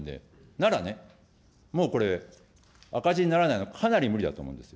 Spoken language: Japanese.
ならね、もうこれ、赤字にならないのは、かなり無理だと思うんです。